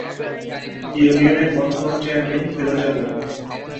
ইউনিয়নের বর্তমান চেয়ারম্যান ফিরোজ আলম।